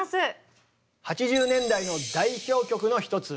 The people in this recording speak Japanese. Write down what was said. ８０年代の代表曲の一つ